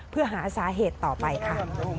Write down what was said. เพื่อหาสาเหตุต่อไปค่ะ